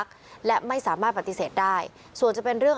ก็มันยังไม่หมดวันหนึ่ง